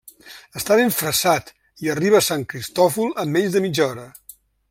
Està ben fressat i arriba a Sant Cristòfol en menys de mitja hora.